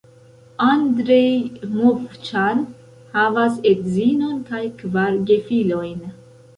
Andrej Movĉan havas edzinon kaj kvar gefilojn.